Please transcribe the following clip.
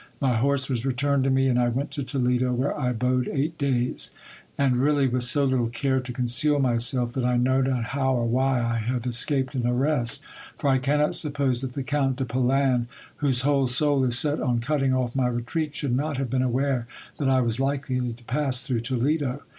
My horse was returned to me, and I went to Toledo, where I abode eight days, and really with so little care to conceal myself that I know not how or why I have escaped an arrest ; for I cannot suppose that the Count de Polan, whose whole soul is set on cutting off my retreat, should not have been aware that I was likely to pass through Toledo.